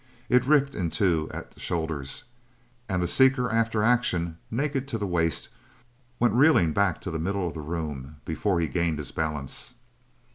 It ripped in two at the shoulders, and the seeker after action, naked to the waist, went reeling back to the middle of the room, before he gained his balance.